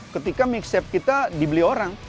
ketika mixcep kita dibeli orang